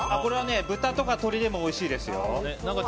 豚とか鶏でもおいしいですよ。